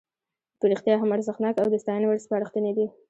په رښتیا هم ارزښتناکه او د ستاینې وړ سپارښتنې دي.